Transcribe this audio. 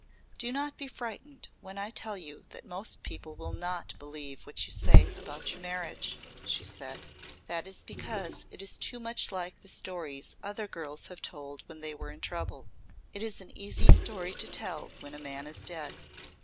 "Do not be frightened when I tell you that most people will not believe what you say about your marriage," she said. "That is because it is too much like the stories other girls have told when they were in trouble. It is an easy story to tell when a man is dead.